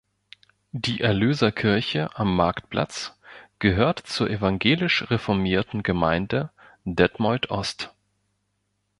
Die "Erlöserkirche" am Marktplatz gehört zur evangelisch-reformierten Gemeinde Detmold-Ost.